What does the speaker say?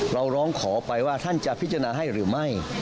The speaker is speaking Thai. ร้องขอไปว่าท่านจะพิจารณาให้หรือไม่